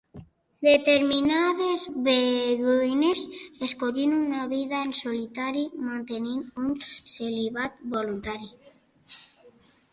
Determinades beguines escollien una vida en solitari, mantenint un celibat voluntari.